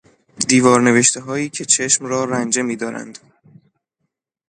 دیوار نوشتههایی که چشم را رنجه میدارند